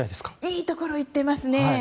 いいところいってますね。